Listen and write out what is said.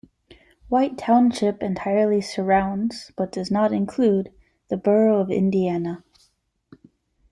White Township entirely surrounds, but does not include, the Borough of Indiana.